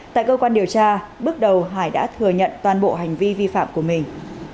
tại cơ quan điều tra bước đầu hải đã thừa nhận toàn bộ hành vi vi phạm của mình